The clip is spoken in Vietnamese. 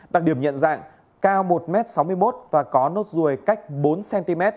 đặc điểm nhận dạng cao một m sáu mươi một và có nốt ruồi cách bốn cm